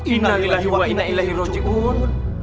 innalillahi wa innaillahi roji'un